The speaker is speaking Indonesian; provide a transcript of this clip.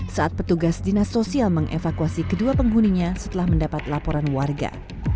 saat petugas dinas sosial mengevakuasi kedua penghuninya setelah mendapat laporan warga